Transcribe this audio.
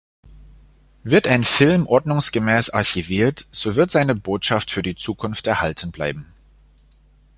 Wird ein Film ordnungsgemäß archiviert, so wird seine Botschaft für die Zukunft erhalten bleiben.